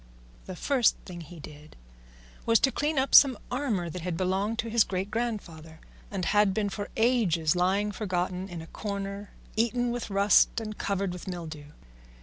The first thing he did was to clean up some armour that had belonged to his great grandfather, and had been for ages lying forgotten in a corner eaten with rust and covered with mildew.